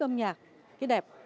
âm nhạc cái đẹp